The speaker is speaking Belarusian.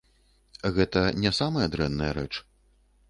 Гэта не самая дрэнная рэч.